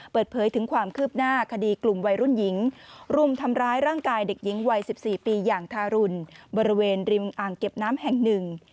เปิดเผยถึงความคืบหน้าคดีกลุ่มวัยรุ่นหญิงรุมทำร้ายร่างกายเด็กหญิงวัย๑๔ปีอย่างทารุณบริเวณริมอ่างเก็บน้ำแห่งหนึ่ง